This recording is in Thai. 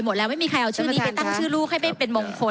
หมดแล้วไม่มีใครเอาชื่อนี้ไปตั้งชื่อลูกให้ไม่เป็นมงคล